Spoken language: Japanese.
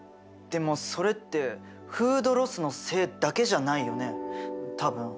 でもそれってフードロスのせいだけじゃないよね多分。